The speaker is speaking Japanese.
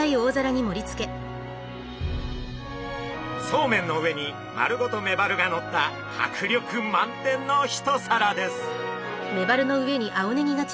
そうめんの上に丸ごとメバルがのった迫力満点の一皿です。